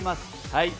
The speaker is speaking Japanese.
はい！